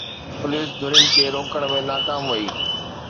police ڌرين کي روڪڻ ۾ ناڪام وئي